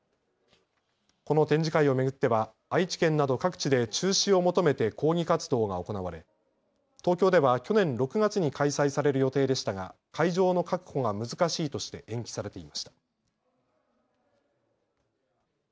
この展示会を巡っては愛知県など各地で中止を求めて抗議活動が行われ東京では去年６月に開催される予定でしたが会場の確保が難しいとして延期されていました。